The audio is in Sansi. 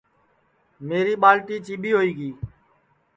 میری ٻالٹی چیٻی ہوئی گی